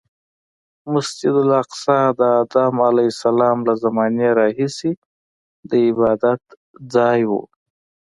مسجد الاقصی د ادم علیه السلام له زمانې راهیسې د عبادتځای و.